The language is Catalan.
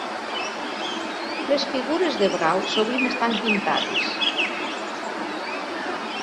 Les figures de brau sovint estan pintades.